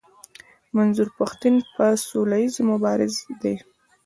منظور پښتين يو سوله ايز مبارز دی.